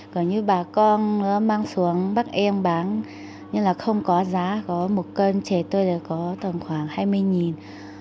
gần như bà con mang xuống bác em bán nhưng là không có giá có một cân chè tuyệt đối có tầm khoảng hai mươi nghìn